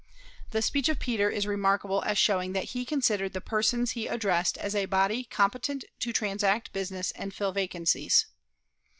The speech of Peter is remarkable as showing that he considered the persons he addressed as a body competent to transact business and fill vacancies.